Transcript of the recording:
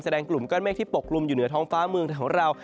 กลุ่มก้อนเมฆที่ปกลุ่มอยู่เหนือท้องฟ้าเมืองของเรา